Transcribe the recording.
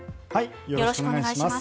よろしくお願いします。